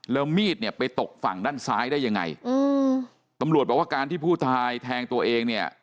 แล้วมีดเนี่ยไปตกฝั่งด้านซ้ายได้ยังไงอืมตำรวจบอกว่าการที่ผู้ตายแทงตัวเองเนี่ย